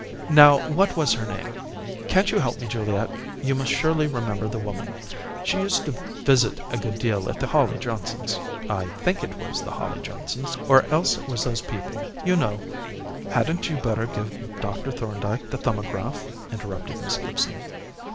now, what was her name? Can't you help me, Juliet? You must surely remember the woman. She used to visit a good deal at the Hawley Johnsons' I think it was the Hawley Johnsons', or else it was those people, you know " "Hadn't you better give Dr. Thorndyke the 'Thumbograph'?" interrupted Miss Gibson.